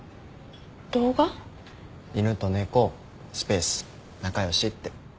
「犬と猫スペース仲良し」って。